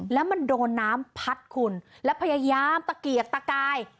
แล้วมันโดนน้ำพัดคุณแล้วพยายามตะเกียกตะกาย